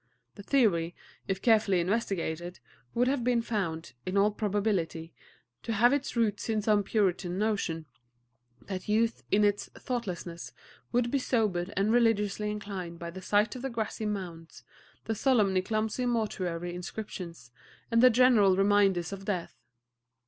The theory, if carefully investigated, would have been found, in all probability, to have its roots in some Puritan notion that youth in its thoughtlessness would be sobered and religiously inclined by the sight of the grassy mounds, the solemnly clumsy mortuary inscriptions, and the general reminders of death.